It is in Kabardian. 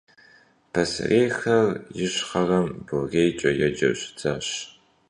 Пасэрейхэр ищхъэрэм БорейкӀэ еджэу щытащ.